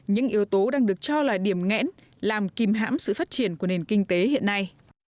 những yếu tố đang được cho là điểm nghẽn làm kìm hãm sự phát triển của nền kinh tế hiện nay